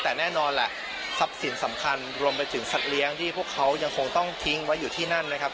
แต่แน่นอนแหละทรัพย์สินสำคัญรวมไปถึงสัตว์เลี้ยงที่พวกเขายังคงต้องทิ้งไว้อยู่ที่นั่นนะครับ